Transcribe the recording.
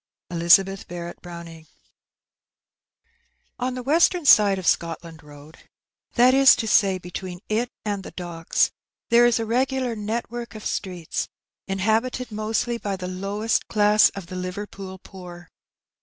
— Elizibith Bikeett BBOWRiMa. rains; but in tlie N the weetem side of Scotland Road — tliat is to Bay, between it and the Docks — there is a regular network of streets, inhabited mostly by the lowest class of the Liverpool poor.